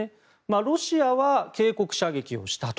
ロシアは警告射撃をしたと。